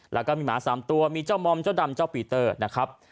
แล้วก็มีหมา๓ตัวมีเจ้ามอมเจ้าดำเจ้าปีเตอร์นะครับ